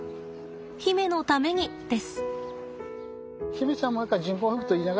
媛のためにです。